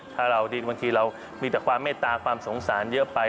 ถ้าเราดินบางทีเรามีแต่ความเมตตาความสงสารเยอะไป